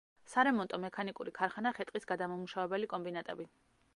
სარემონტო-მექანიკური ქარხანა, ხე-ტყის გადამამუშავებელი კომბინატები.